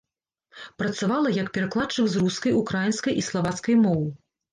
Працавала як перакладчык з рускай, украінскай і славацкай моў.